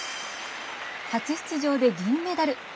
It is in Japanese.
初出場で銀メダル。